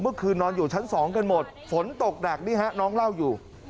เมื่อคืนนอนอยู่ชั้น๒กันหมดฝนตกหนักนี่ฮะน้องเล่าอยู่